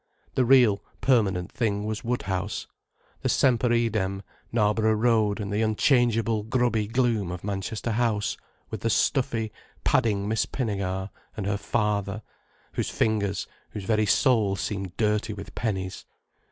The real, permanent thing was Woodhouse, the semper idem Knarborough Road, and the unchangeable grubby gloom of Manchester House, with the stuffy, padding Miss Pinnegar, and her father, whose fingers, whose very soul seemed dirty with pennies.